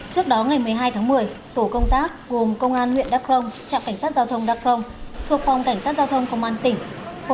trước đó ngày một mươi hai tháng một mươi tổ công tác gồm công an huyện đắk rông trạm cảnh sát giao thông đắk rông thuộc phòng cảnh sát giao thông công an tỉnh